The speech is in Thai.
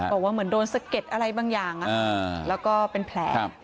บอกว่าเหมือนโดนสะเก็ดอะไรบางอย่างแล้วก็เป็นแผล